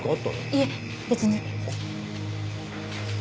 いえ別に。